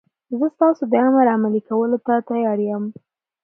زه ستاسو د امر عملي کولو ته تیار یم.